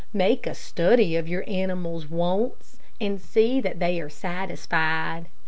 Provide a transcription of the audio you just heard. Make a study of your animals' wants, and see that they are satisfied.